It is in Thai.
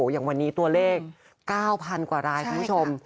อย่างวันนี้ตัวเลข๙๐๐กว่ารายคุณผู้ชม